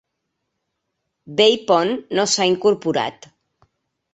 Bay Point no s'ha incorporat.